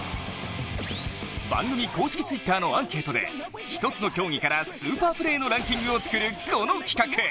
番組公式Ｔｗｉｔｔｅｒのアンケートで一つの競技からスーパープレーのランキングを作る、この企画。